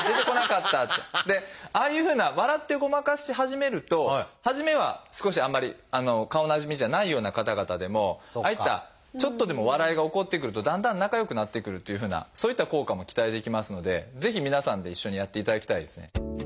ああいうふうな笑ってごまかし始めると初めは少しあんまり顔なじみじゃないような方々でもああいったちょっとでも笑いが起こってくるとだんだん仲よくなってくるっていうふうなそういった効果も期待できますのでぜひ皆さんで一緒にやっていただきたいですね。